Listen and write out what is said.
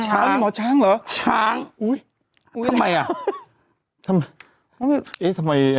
อาจารย์ช้างค่ะ